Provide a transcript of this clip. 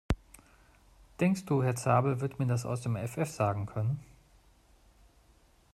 Denkst du, Herr Zabel wird mir das aus dem Effeff sagen können?